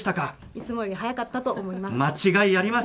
いつもよりその方たち速かったと思います。